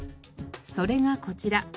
それがこちら。